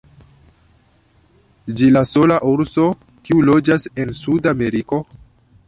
Ĝi la sola urso, kiu loĝas en Sudameriko.